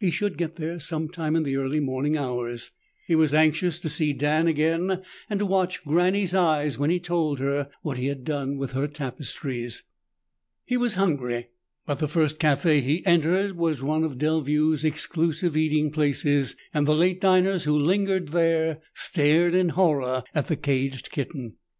He should get there some time in the early morning hours. He was anxious to see Dan again and to watch Granny's eyes when he told her what he had done with her tapestries. He was hungry, but the first café he entered was one of Delview's exclusive eating places and the late diners who still lingered there stared in horror at the caged kitten.